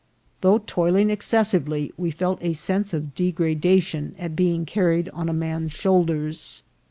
Though toiling excessively, we felt a sense of degradation at being carried on a man's shoulders.